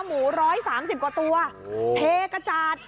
หมู๑๓๐กว่าตัวเทกระจาด